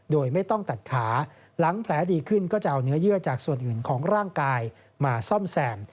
โดยไม่ต้องตัดขาหลังแผลดีขึ้นก็จะเอาเนื้อเยื่อจากส่วนอื่นของร่างกายมาซ่อมแซม